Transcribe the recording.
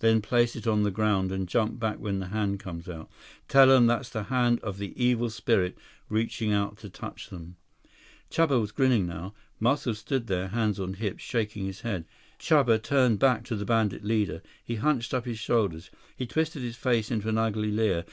Then place it on the ground and jump back when the hand comes out. Tell them that's the hand of the evil spirit, reaching out to touch them." Chuba was grinning now. Muscles stood there, hands on hips, shaking his head. Chuba turned back to the bandit leader. He hunched up his shoulders. He twisted his face into an ugly leer.